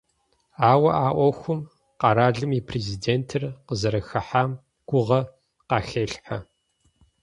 Ауэ а Ӏуэхум къэралым и Президентыр къызэрыхыхьам гугъэ къахелъхьэ.